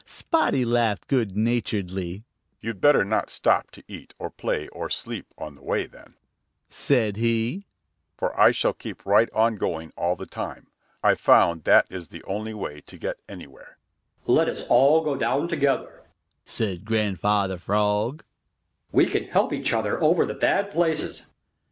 Spotty laughed good naturedly. "You'd better not stop to eat or play or sleep on the way then," said he, "for I shall keep right on going all the time. I've found that is the only way to get anywhere." "Let us all go down together" said Grandfather Frog.